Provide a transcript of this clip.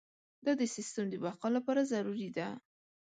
دا د سیستم د بقا لپاره ضروري ده.